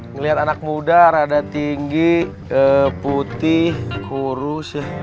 ngelihat anak muda rada tinggi putih kurus